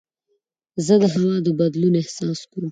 زه د هوا د بدلون احساس کوم.